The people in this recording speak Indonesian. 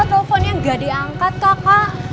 kok teleponnya gak diangkat kakak